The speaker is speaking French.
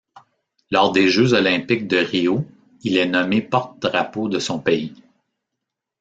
Lors des Jeux olympiques de Rio, il est nommé porte-drapeau de son pays.